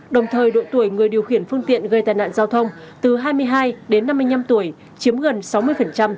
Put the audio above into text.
đồng thời độ tuổi người điều khiển phương tiện gây tai nạn giao thông từ hai mươi hai đến năm mươi năm tuổi chiếm gần sáu mươi